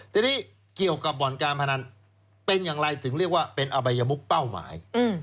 ทีนี้เกี่ยวกับบ่อนการพนันเป็นอย่างไรถึงเรียกว่าเป็นอบัยมุกเป้าหมาย